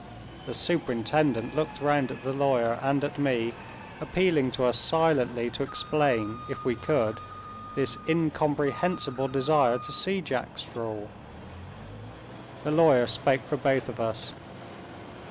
The superintendent looked round at the lawyer and at me, appealing to us silently to explain, if we could, this incomprehensible desire to see Jack Straw. The lawyer spoke for both of us.